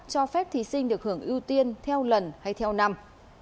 cho phép thí sinh được hưởng ưu tiên theo lần hay theo năm